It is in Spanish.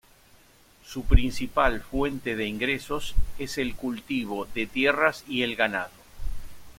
Su principal fuente de ingresos es el cultivo de tierras y el ganado.